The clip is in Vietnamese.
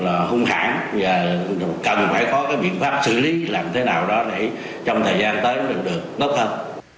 và cần phải có cái biện pháp xử lý làm thế nào đó để trong thời gian tới được đốt hơn